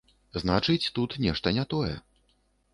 Значыць, тут нешта не тое.